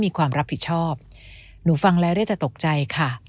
มีความรับผิดชอบหนูฟังแล้วได้แต่ตกใจค่ะ